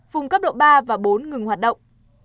vùng cấp độ ba và bốn ngừng hoạt động